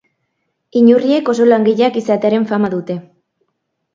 Inurriek oso langileak izatearen fama dute.